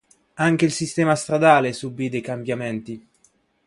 Anche il sistema stradale subì dei cambiamenti.